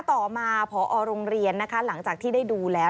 ต่อมาพอโรงเรียนนะคะหลังจากที่ได้ดูแล้ว